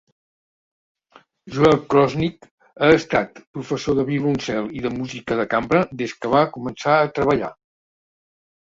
Joel Krosnick ha estat professor de violoncel i de música de cambra des que va començar a treballar.